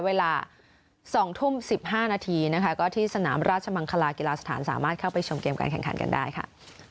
เวลา๒ทุ่ม๑๕นาทีนะคะก็ที่สนามราชมังคลากีฬาสถานสามารถเข้าไปชมเกมการแข่งขันกันได้ค่ะ